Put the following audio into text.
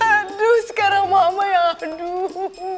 aduh sekarang mama yang aduh